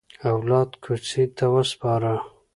اولاد کوڅې ته وسپاره.